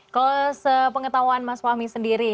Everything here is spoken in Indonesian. kalau sepengetahuan mas fahmi sendiri